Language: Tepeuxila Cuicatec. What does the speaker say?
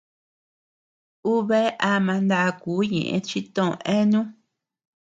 Ú bea ama ndakuu ñeʼë chi tö eanu.